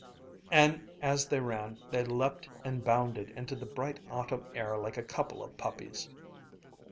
and as they ran, they leaped and bounded into the bright autumn air like a couple of puppies.